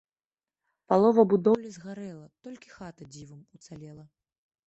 Палова будоўлі згарэла, толькі хата дзівам уцалела.